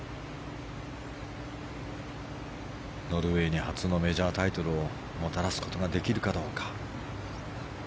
ノルウェーに初のメジャータイトルをもたらすことができるかどうか。